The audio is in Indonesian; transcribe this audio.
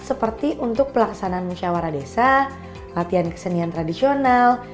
seperti untuk pelaksanaan musyawarah desa latihan kesenian tradisional